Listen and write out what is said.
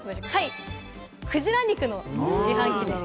クジラ肉の自販機でした。